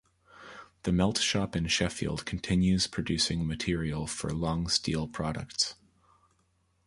The melt shop in Sheffield continues producing material for long steel products.